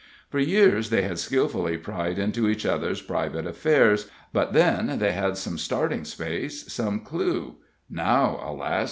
For years they had skillfully pried into each other's private affairs, but then they had some starting place, some clue; now, alas!